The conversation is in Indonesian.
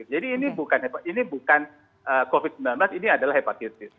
jadi ini bukan covid sembilan belas ini adalah hepatitis